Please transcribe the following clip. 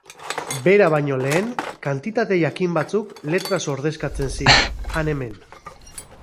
Bera baino lehen, kantitate jakin batzuk letraz ordezkatzen ziren, han-hemen.